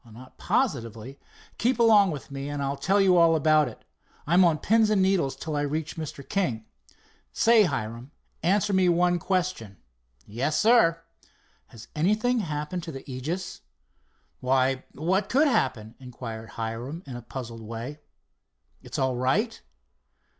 "Not positively. Keep along with me, and I'll tell you all about it. I'm on pins and needles till I reach Mr. King. Say, Hiram, answer me one question." "Yes, sir!" "Has anything happened to the Aegis?" "Why, what could happen?" inquired Hiram in a puzzled way. "It's all right?"